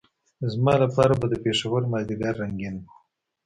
زما لپاره به د پېښور مازدیګر رنګین وو.